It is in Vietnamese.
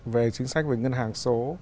về chính sách về ngân hàng số